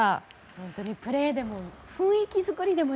本当にプレーでも雰囲気作りでも